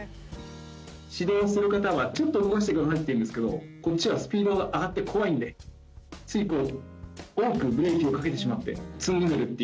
指導する方はちょっと動かしてくださいって言うんですけど、こっちはスピード上がって怖いんでつい多くブレーキをかけてしまって、つんのめるっていう。